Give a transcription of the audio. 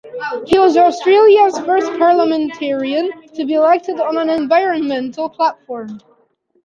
He was Australia's first parliamentarian to be elected on an environmental platform.